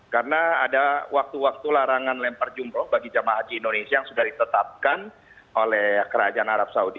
karena ada waktu waktu larangan melempar jumroh bagi jemaah haji indonesia yang sudah ditetapkan oleh kerajaan arab saudi